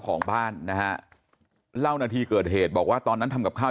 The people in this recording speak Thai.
ของบ้านนะฮะเล่านาทีเกิดเหตุบอกว่าตอนนั้นทำกับข้าว